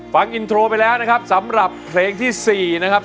ฟังอินโทรไปแล้วนะครับสำหรับเพลงที่๔นะครับ